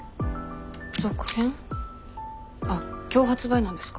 あっ今日発売なんですか？